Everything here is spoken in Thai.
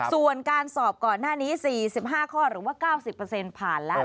ส่วนการสอบก่อนหน้านี้๔๕ข้อหรือว่า๙๐ผ่านแล้ว